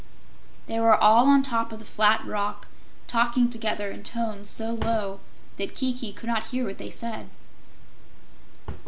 They were all on top of the flat rock, talking together in tones so low that Kiki could not hear what they said.